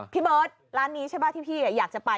พี่เบิร์ตร้านนี้ใช่ป่ะที่พี่อยากจะไป